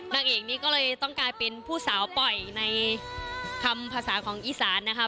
นางเอกนี้ก็เลยต้องกลายเป็นผู้สาวปล่อยในคำภาษาของอีสานนะคะ